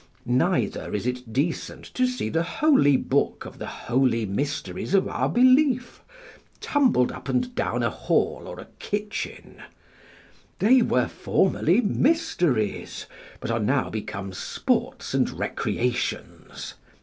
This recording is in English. Neither is it decent to see the Holy Book of the holy mysteries of our belief tumbled up and down a hall or a kitchen they were formerly mysteries, but are now become sports and recreations.